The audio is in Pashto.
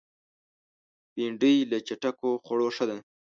بېنډۍ له چټکو خوړو ښه ده